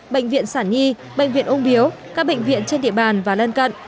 bệnh viện sản nhi bệnh viện úng điếu các bệnh viện trên địa bàn và lân cận